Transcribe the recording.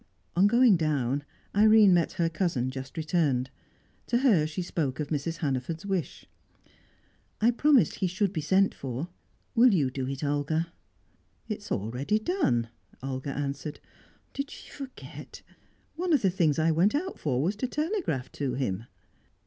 On going down, Irene met her cousin, just returned. To her she spoke of Mrs. Hannaford's wish. "I promised he should be sent for. Will you do it, Olga?" "It is already done," Olga answered. "Did she forget? One of the things I went out for was to telegraph to him."